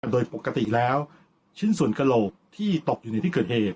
โดยปกติแล้วชิ้นส่วนกระโหลกที่ตกอยู่ในที่เกิดเหตุ